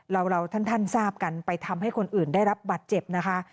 เราท่านทราบกันไปทำให้คนอื่นได้รับบัตรเจ็บนะคะ